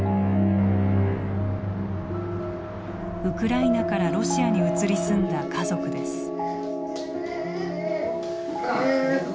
ウクライナからロシアに移り住んだ家族です。